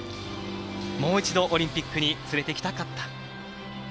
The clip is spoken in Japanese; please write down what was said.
もう一度オリンピックに連れていきたかった。